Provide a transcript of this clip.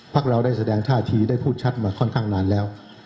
เราได้แสดงท่าทีได้พูดชัดมาค่อนข้างนานแล้ว